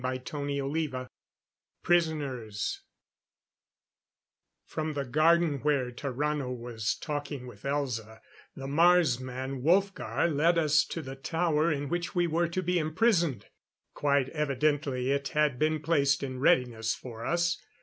CHAPTER VII Prisoners From the garden where Tarrano was talking with Elza, the Mars man Wolfgar led us to the tower in which we were to be imprisoned. Quite evidently it had been placed in readiness for us.